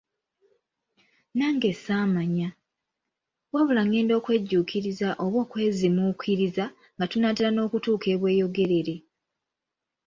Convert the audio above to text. Nange saamanya, wabula ngenda okwejjuukiriza oba okweziimuukiriza nga tunaatera n'okutuuka e Bweyogerere.